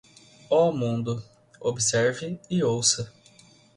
Oh, mundo, observe e ouça